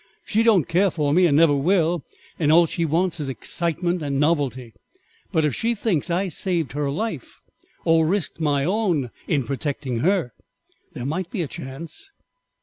She don't care for me and never will, and all she wants is excitement and novelty, but if she thinks I saved her life or risked my own in protecting her, there might be a chance.